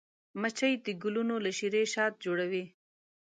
مچمچۍ د ګلونو له شيرې شات جوړوي